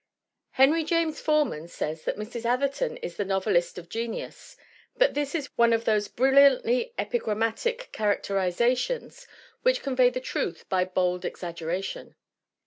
Henry James Forman says 41 42 THE WOMEN WHO MAKE OUR NOVELS that Mrs. Atherton is the novelist of genius, but this is one of those brilliantly epigrammatic characteriza tions which convey the truth by bold exaggeration.